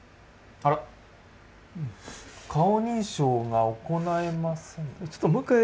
あら、顔認証が行えませんでした。